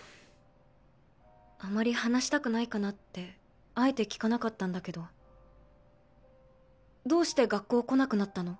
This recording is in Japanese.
あんまり話したくないかなってあえて聞かなかったんだけどどうして学校来なくなったの？